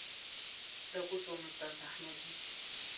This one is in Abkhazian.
Даҟәыҵуамызт аҭаҳмада.